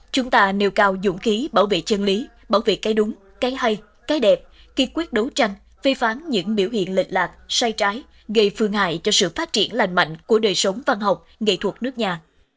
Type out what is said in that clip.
chúng ta nêu cao dũng khí bảo vệ chân lý bảo vệ cái đúng cái hay cái đẹp kỳ quyết đấu tranh phê phán những biểu hiện lệch lạc sai trái gây phương hại cho sự phát triển lành mạnh của đời sống văn học nghệ thuật nước nhà